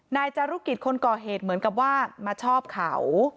นายจารุกิจคนก่อเหตุเหมือนกับว่ามาชอบเขา